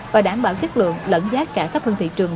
và đảm bảo chất lượng lẫn giá cả thấp hơn thị trường